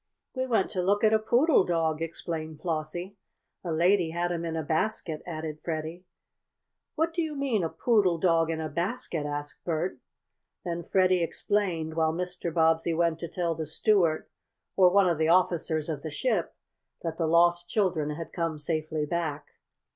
"We went to look at a poodle dog," explained Flossie. "A lady had him in a basket," added Freddie. "What do you mean a poodle dog in a basket?" asked Bert. Then Freddie explained, while Mr. Bobbsey went to tell the steward, or one of the officers of the ship, that the lost children had come safely back.